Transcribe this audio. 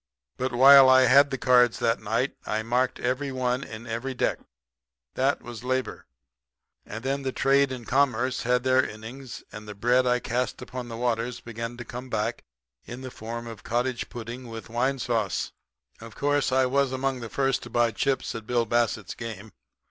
But while I had the cards that night I marked every one in every deck. That was labor. And then trade and commerce had their innings, and the bread I had cast upon the waters began to come back in the form of cottage pudding with wine sauce. "Of course I was among the first to buy chips at Bill Bassett's game.